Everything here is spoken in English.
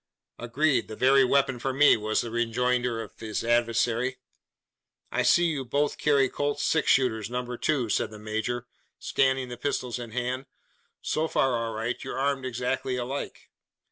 "Agreed! the very weapon for me!" was the rejoinder of his adversary. "I see you both carry Colt's six shooter Number 2," said the major, scanning the pistols held in hand. "So far all right! you're armed exactly alike."